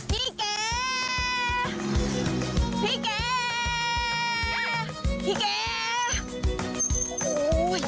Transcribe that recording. พี่เก๋